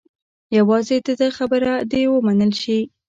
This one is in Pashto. یوازې د ده خبره دې ومنل شي.